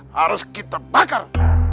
harus kita bakar